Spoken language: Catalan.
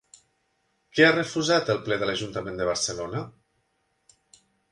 Què ha refusat el ple de l'Ajuntament de Barcelona?